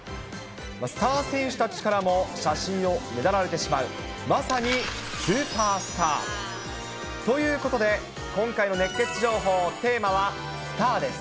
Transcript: スター選手たちからも写真をねだられてしまう、まさにスーパースター。ということで、今回の熱ケツ情報、テーマはスターです。